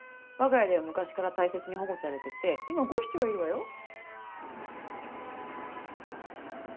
わが家では昔から大切に保護されてて今５匹はいるわよ。